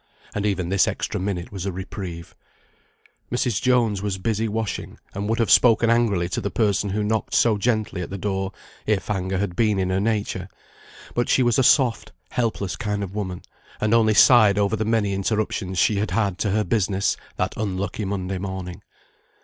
And even this extra minute was a reprieve. Mrs. Jones was busy washing, and would have spoken angrily to the person who knocked so gently at the door, if anger had been in her nature; but she was a soft, helpless kind of woman, and only sighed over the many interruptions she had had to her business that unlucky Monday morning.